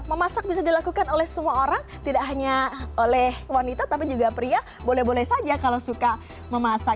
memasak bisa dilakukan oleh semua orang tidak hanya oleh wanita tapi juga pria boleh boleh saja kalau suka memasak